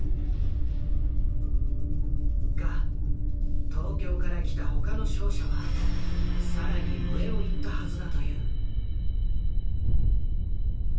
が東京から来た他の商社は更に上を行ったはずだという。